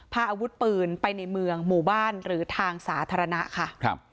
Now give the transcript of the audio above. พาอาวุธปืนไปในเมืองหมู่บ้านหรือทางสาธารณะค่ะ